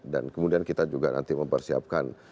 dan kemudian kita juga nanti mempersiapkan